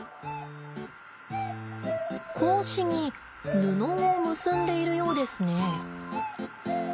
格子に布を結んでいるようですね。